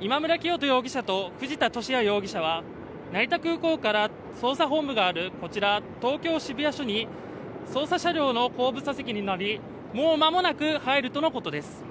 今村磨人容疑者と藤田聖也容疑者は成田空港から捜査本部があるこちら、東京・渋谷署に捜査車両の後部座席に乗りもう間もなく入るとのことです。